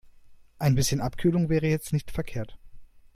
Ein bisschen Abkühlung wäre jetzt nicht verkehrt.